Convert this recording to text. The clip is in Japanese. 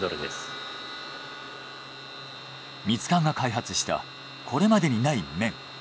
ミツカンが開発したこれまでにない麺。